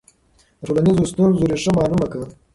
د ټولنیزو ستونزو ریښه معلومه کړه.